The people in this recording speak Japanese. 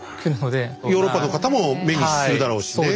ヨーロッパの方も目にするだろうし。